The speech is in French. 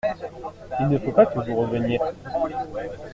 Il ne faut pas que vous reveniez.